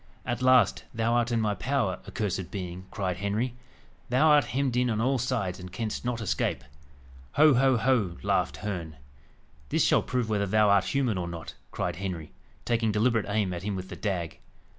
"At last, thou art in my power, accursed being!" cried Henry. "Thou art hemmed in on all sides, and canst not escape!" "Ho! ho! ho!" laughed Herne. "This shall prove whether thou art human or not," cried Henry, taking deliberate aim at him with the dag. "Ho!